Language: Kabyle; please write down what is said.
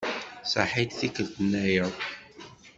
Saḥit tikkelt-nnayeḍ.